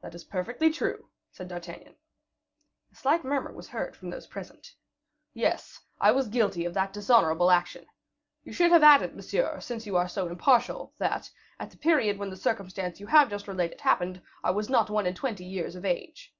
"That is perfectly true," said D'Artagnan. A slight murmur was heard from those present. "Yes, I was guilty of that dishonorable action. You should have added, monsieur, since you are so impartial, that, at the period when the circumstance which you have just related happened, I was not one and twenty years of age."